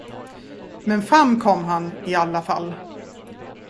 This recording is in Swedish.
Men fram kom han i alla fall.